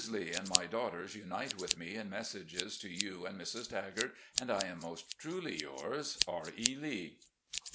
Lee and my daughters tmite with me in messages to you and Mrs. Tagart, and I am most truly yours, R. E. Lee.